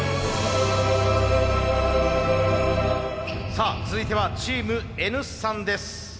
さあ続いてはチームＮ産です。